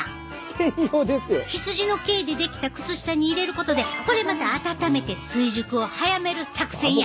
羊の毛で出来た靴下に入れることでこれまた温めて追熟を早める作戦や。